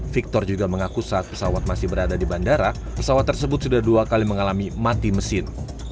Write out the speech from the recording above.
victor juga mengaku saat pesawat masih berada di bandara pesawat tersebut sudah dua kali mengalami mati mesin